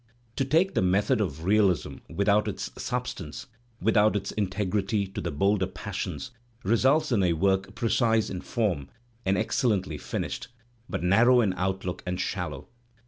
To take the C\^ method of realism without its substance, without its integrity / to the bolder passions, results in a work precise in form and excellently finished, but narrow in outlook and shallow.